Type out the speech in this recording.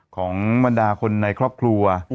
ของบรรดาคนในครอบครัว